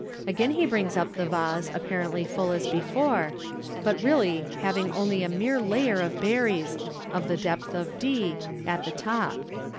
Again he brings up the vase, apparently full as before, but really hiving only a mere layer of berries, of the depth of d, at the top.